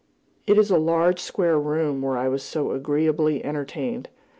It is a large, square room, where I was so agreeably entertained.